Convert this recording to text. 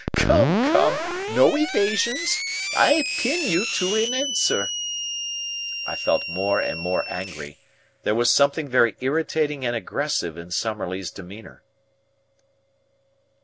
Come, come, no evasion! I pin you to an answer!" I felt more and more angry. There was something very irritating and aggressive in Summerlee's demeanour.